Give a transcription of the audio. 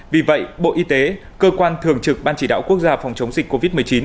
vì vậy bộ y tế cơ quan thường trực ban chỉ đạo quốc gia phòng chống dịch covid một mươi chín